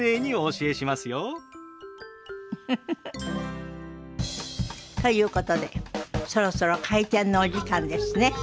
ウフフフ。ということでそろそろ開店のお時間ですね。